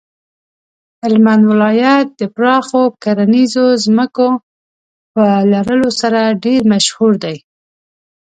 هلمند ولایت د پراخو کرنیزو ځمکو په لرلو سره ډیر مشهور دی.